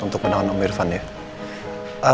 untuk menahan om irfan ya